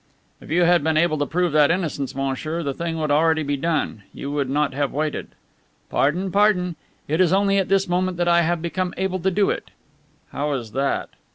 "If you had been able to prove that innocence, monsieur, the thing would already be done. You would not have waited." "Pardon, pardon. It is only at this moment that I have become able to do it." "How is that?"